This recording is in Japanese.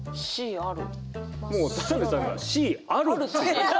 もう田辺さんがＣあるって。